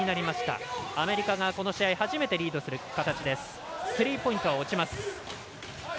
アメリカがこの試合初めてリードする形。